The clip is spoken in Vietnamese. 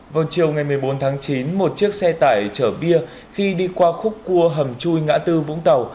vào chiều ngày một mươi bốn tháng chín một chiếc xe tải chở bia khi đi qua khúc cua hầm chui ngã tư vũng tàu